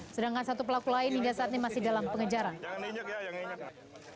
sedangkan satu pelaku lain hingga saat ini masih dalam pengejaran